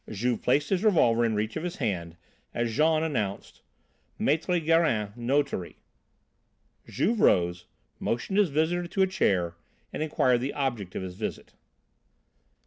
Juve placed his revolver in reach of his hand as Jean announced: "Maître Gérin, notary." Juve rose, motioned his visitor to a chair and inquired the object of his visit.